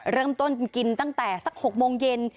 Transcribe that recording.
เริ่มต้นกินตั้งแต่สัก๖โมงเย็น